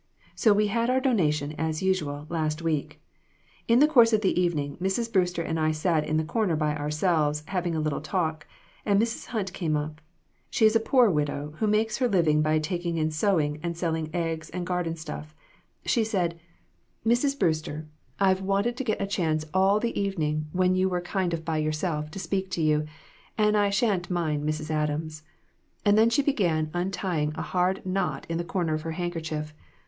So we had our donation, as usual, last week. In the course of the evening Mrs. Brewster and I sat in the corner by our selves, having a little talk, and Mrs. Hunt came up. She is a poor widow, who makes her living by taking in sewing and selling eggs and garden stuff. She said 1 86 PERSECUTION OF THE SAINTS. "'Mrs. Brewster, I've wanted to get a chance all the evening, when you were kind of by your self, to speak to you; and I sha'n't mind Mrs. Adams.' And then she began untying a hard knot in the corner of her handkerchief.